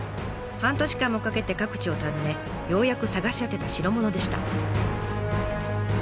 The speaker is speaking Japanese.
半年間もかけて各地を訪ねようやく探し当てた代物でした。